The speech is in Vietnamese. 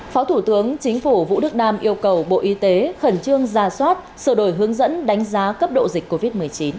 phó thủ tướng chính phủ vũ đức đam yêu cầu bộ y tế khẩn trương ra soát sửa đổi hướng dẫn đánh giá cấp độ dịch covid một mươi chín